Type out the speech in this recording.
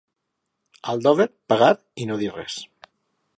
A Aldover, pagar i no dir res.